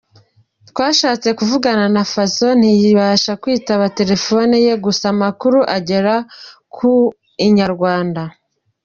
Twashatse kuvugana na Fazzo ntiyabasha kwitaba telephone ye gusa amakuru agera ku inyarwanda.